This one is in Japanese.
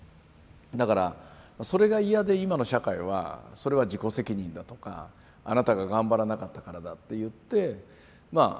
だからそれが嫌で今の社会はそれは自己責任だとかあなたが頑張らなかったからだっていってまあ結果的には見捨てるんですよね。